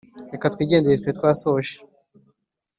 reka twigendere twari twasoje